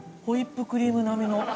ホイップクリーム並みの。